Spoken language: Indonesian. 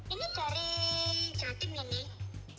ini dari jantim ini